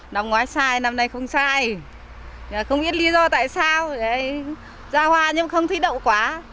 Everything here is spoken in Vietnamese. năm ngoái sai năm nay không sai không biết lý do tại sao ra hoa nhưng không thấy đậu quá